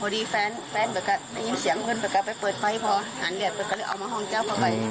เดียว